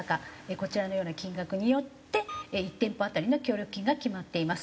こちらのような金額によって１店舗当たりの協力金が決まっています。